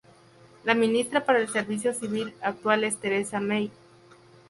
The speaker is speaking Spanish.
La Ministra para el Servicio Civil actual es Theresa May.